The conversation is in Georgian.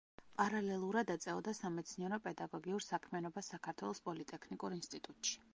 პარალელურად ეწეოდა სამეცნიერო-პედაგოგიურ საქმიანობას საქართველოს პოლიტექნიკურ ინსტიტუტში.